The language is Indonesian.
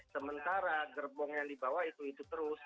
sementara gerbong yang dibawa itu itu terus